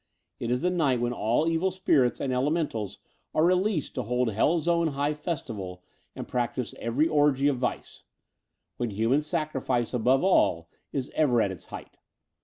It is the night when all evil spirits and elementals are re leased to hold hell's own high festival and practise every orgy of vice; when human sacrifice, above all, is ever at its height.